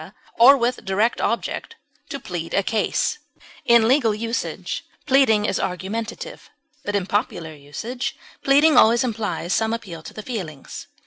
or with direct object, to plead a case; in legal usage, pleading is argumentative, but in popular usage, pleading always implies some appeal to the feelings.